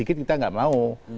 kita tidak mau